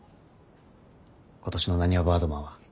今年のなにわバードマンは。